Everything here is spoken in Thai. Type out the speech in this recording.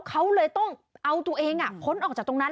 เขาเลยต้องเอาตัวเองพ้นออกจากตรงนั้น